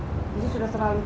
jadi sudah terlalu tua